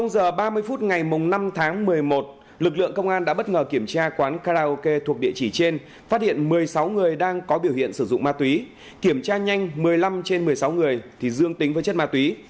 một mươi giờ ba mươi phút ngày năm tháng một mươi một lực lượng công an đã bất ngờ kiểm tra quán karaoke thuộc địa chỉ trên phát hiện một mươi sáu người đang có biểu hiện sử dụng ma túy kiểm tra nhanh một mươi năm trên một mươi sáu người thì dương tính với chất ma túy